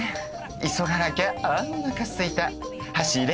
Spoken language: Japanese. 急がなきゃああおなかすいた走れ